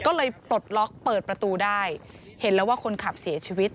ก็เลยปลดล็อกเปิดประตูได้เห็นแล้วว่าคนขับเสียชีวิต